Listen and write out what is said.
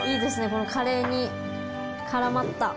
このカレーに絡まった。